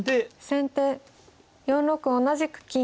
先手４六同じく金。